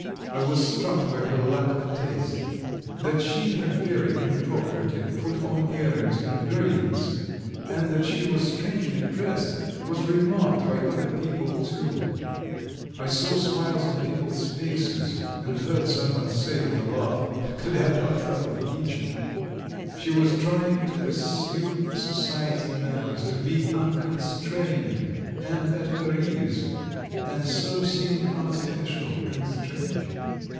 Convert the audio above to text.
I was struck by her lack of taste. That she had very inappropriately put on earrings and brilliants, and that she was strangely dressed, was remarked by other people too; I saw smiles on people's faces, and heard someone say with a laugh: "Kleopatra of Egypt." She was trying to assume society manners, to be unconstrained and at her ease, and so seemed artificial and strange.